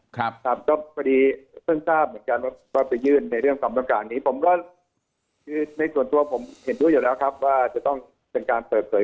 ครับพอดีเพิ่งทราบเหมือนกันว่าไปยื่นในเรื่องความต้องการ